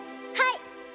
はい！